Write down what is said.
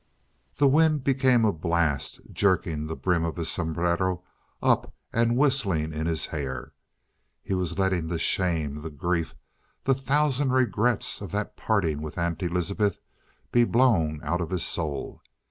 The wind became a blast, jerking the brim of his sombrero up and whistling in his hair. He was letting the shame, the grief, the thousand regrets of that parting with Aunt Elizabeth be blown out of his soul.